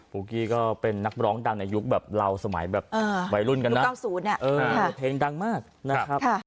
ุ๊กกี้ก็เป็นนักร้องดังในยุคแบบเราสมัยแบบวัยรุ่นกันนะ๙๐เพลงดังมากนะครับ